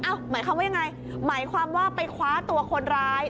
หมายความว่ายังไงหมายความว่าไปคว้าตัวคนร้าย